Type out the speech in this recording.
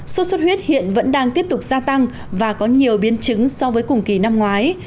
sốt xuất huyết hiện vẫn đang tiếp tục gia tăng và có nhiều biến chứng so với cùng kỳ năm ngoái